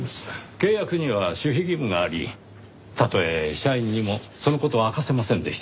契約には守秘義務がありたとえ社員にもその事を明かせませんでした。